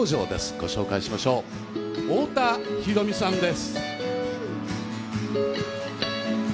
ご紹介しましょう太田裕美さんです。